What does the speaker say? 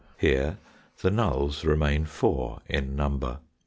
Here the nulls remain four in number.